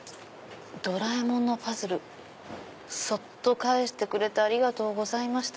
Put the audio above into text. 「ドラえもんのパズルそっと返してくれてありがとうございました！